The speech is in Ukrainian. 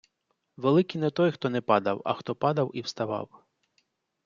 Великий не той хто не падав, а хто падав і вставав